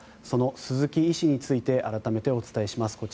その鈴木医師について改めてお伝えします。